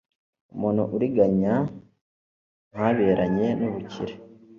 umuntu uriganya ntaberanye n'ubukire